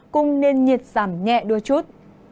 cùng nền nhiệt giảm nhẹ đôi chút